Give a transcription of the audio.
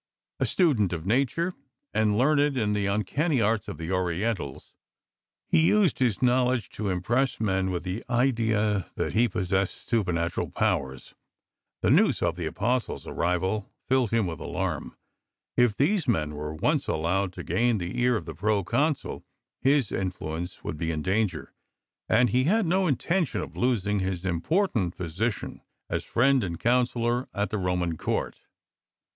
A student of nature, and learned in the uncanny arts of the Orientals, he used his knowledge to impress men with the idea that he possessed supernatural powers. The news of the Apostles' arrival fiUed him with alarm. If these men were once aEowed to gain the ear of, the Pro Consul, his influence would be m danger, and he had no intention of losing BY LAND AND SEA his important position as friend and coun sellor at the Roman Court.